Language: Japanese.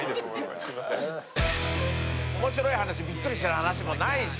面白い話びっくりしてる話もないし。